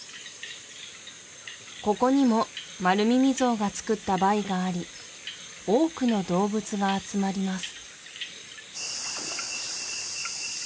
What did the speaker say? ここにもマルミミゾウがつくったバイがあり多くの動物が集まります